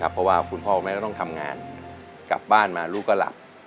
เพราะว่าคุณพ่อคุณแม่ก็ต้องทำงานกลับบ้านมาลูกก็หลับ